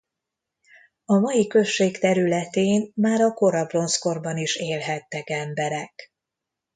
A mai község területén már a kora bronzkorban is élhettek emberek.